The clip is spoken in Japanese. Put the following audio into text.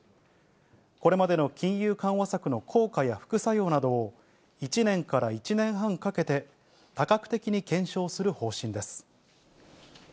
これまでの金融緩和策の効果や副作用などを、１年から１年半かけて、多角的に検証する方針です。